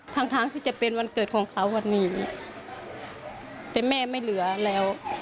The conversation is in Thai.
ทั้งทางที่จะเป็นวันเกิดของเขาวันนี้แต่แม่ไม่เหลือแล้ว